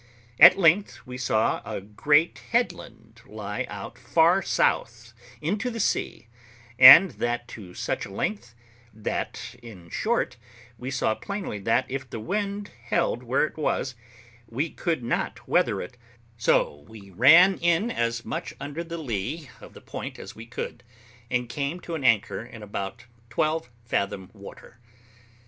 At length we saw a great headland lie out far south into the sea, and that to such a length, that, in short, we saw plainly that, if the wind held where it was, we could not weather it, so we ran in as much under the lee of the point as we could, and came to an anchor in about twelve fathom water.